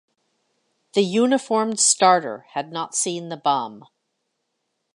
The uniformed starter had not seen the bum.